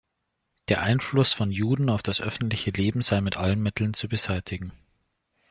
Der Einfluss von Juden auf das öffentliche Leben sei mit allen Mitteln zu beseitigen.